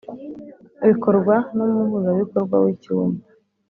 bikorwa n Umuhuzabikorwa w icyumba